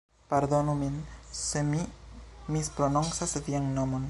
Pardonu min se mi misprononcas vian nomon.